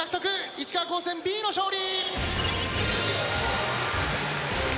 石川高専Ｂの勝利！